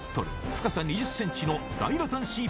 深さ２０ｃｍのダイラタンシー